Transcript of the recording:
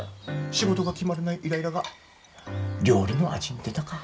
仕事が決まらないイライラが料理の味に出たか。